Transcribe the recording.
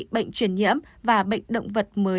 bệnh truyền nhiễm và bệnh động vật mới nước